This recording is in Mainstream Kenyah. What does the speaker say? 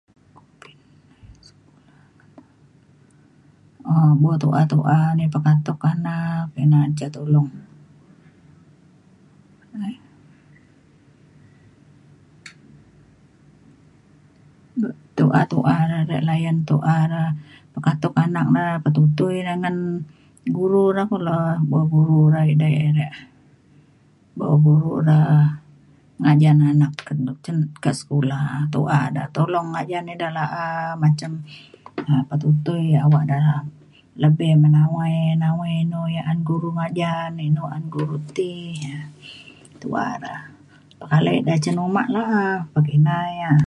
um buk tu'a tu'a ni pekatuk anak ina ca tulong [unintelligible] tu'a tu'a are layan tu'a pekatok anak na petutui na ngan guru ra kulo guru rai ida rek buk guru ra ngajan anak [unintelligible] cin sekula tu'a da tulong ngajan ida la'a menjem um petutui awak da lebih menawai nawai inu ia' an guru ngajan inu an guru ti um tu'a ra pekalai ida cin uma la'a pekina ia'